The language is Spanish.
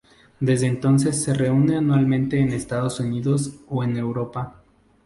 Desde entonces se reúne anualmente en Estados Unidos o en Europa.